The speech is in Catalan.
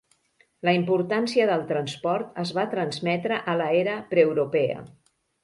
La importància del transport es va transmetre a la era pre-europea.